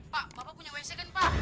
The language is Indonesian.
pak bapak punya wnc kan pak